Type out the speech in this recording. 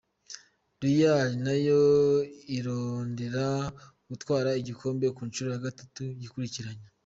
Real nayo irondera gutwara igikombe ku ncuro ya gatatu yikurikiranya.